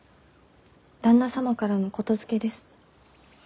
旦那様からの言づけです。